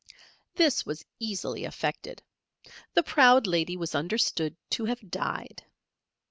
This was easily effected. The Proud Lady was understood to have died.